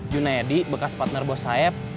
junedi bekas partner bos saeb